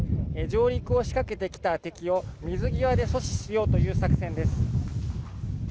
上陸を仕掛けてきた敵を水際で阻止しようという作戦です。